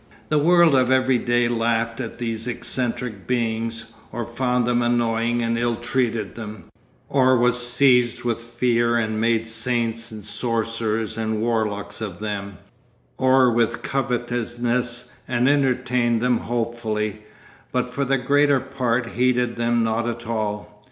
The world of every day laughed at these eccentric beings, or found them annoying and ill treated them, or was seized with fear and made saints and sorcerers and warlocks of them, or with covetousness and entertained them hopefully; but for the greater part heeded them not at all.